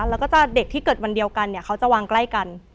แล้วก็จะเด็กที่เกิดวันเดียวกันเนี่ยเขาจะวางใกล้กัน